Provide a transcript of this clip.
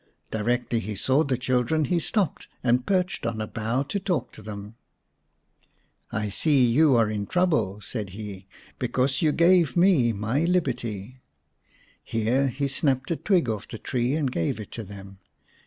Directly he saw the children he stopped and perched on a bough to talk to them. 122 x The Fairy Bird " I see you are in trouble," said he, " because you gave me ray liberty." Here lie snapped a twig off the tree and gave it to them.